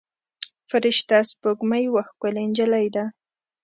فرشته سپوږمۍ یوه ښکلې نجلۍ ده.